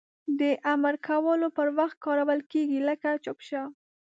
د امر کولو پر وخت کارول کیږي لکه چوپ شه!